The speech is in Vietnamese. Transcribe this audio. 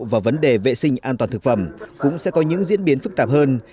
và vấn đề vệ sinh an toàn thực phẩm cũng sẽ có những diễn biến phức tạp hơn